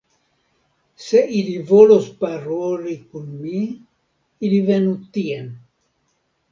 Se ili volos paroli kun mi, ili venu tien.